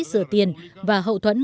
giữa tiền và hậu thuẫn